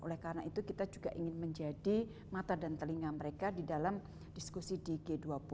oleh karena itu kita juga ingin menjadi mata dan telinga mereka di dalam diskusi di g dua puluh